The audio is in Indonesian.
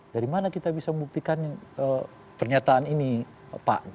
dari mana kita bisa membuktikan pernyataan ini pak